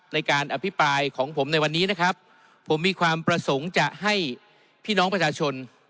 ในการอภิปรายของผมในวันนี้นะครับผมมีความประสงค์จะให้พี่น้องประชาชน